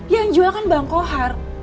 yang jual kan bang kohar